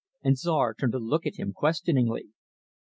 And Czar turned to look at him, questioningly.